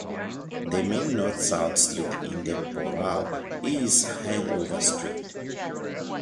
The main north-south street in the borough is Hanover Street.